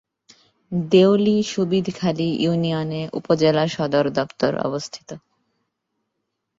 দেউলী-সুবিদখালী ইউনিয়নে উপজেলা সদর দপ্তর অবস্থিত।